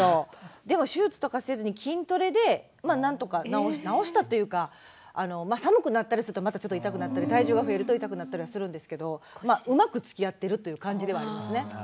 でも手術とかせずに筋トレでなんとか治したというか寒くなったりするとまた痛くなったり体重が増えると痛くなったりするんですけどうまくつきあってるという感じではありますね。